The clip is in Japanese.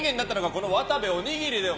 金の国、渡部おにぎりです！